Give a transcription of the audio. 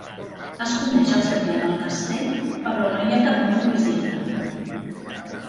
Es coneix el setial del castell però no hi ha cap mur visible.